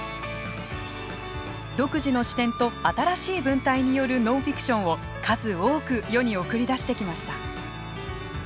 独自の視点と新しい文体によるノンフィクションを数多く世に送り出してきました。